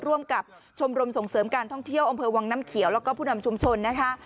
ร่วมกับชมรมส่งเสริมการท่องเที่ยวอำเภอวังน้ำเขียวแล้วก็ผู้นำชุมชนนะคะ